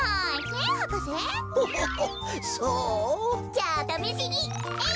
じゃあためしにえい！